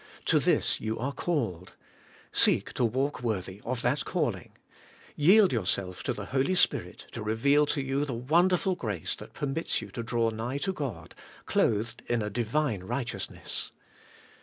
To this you are called. Seek to walk worthy of that calling. Yield yourself to the Holy Spirit to reveal to you the wonderful grace that permits you to draw nigh to God, clothed in a Divine righteousness.